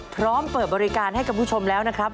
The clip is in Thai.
พร้อมเปิดบริการให้กับคุณผู้ชมแล้วนะครับ